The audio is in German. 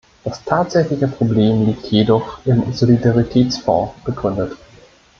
Das tatsächliche Problem liegt jedoch im Solidaritätsfonds begründet.